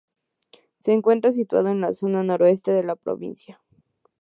Se encuentra situado en en la zona noroeste de la provincia.